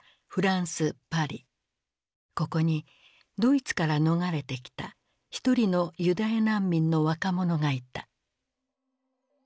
ここにドイツから逃れてきた一人のユダヤ難民の若者がいた。